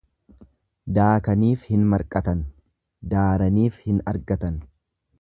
Daakaniif hin marqatan, daaraniif hin argatan.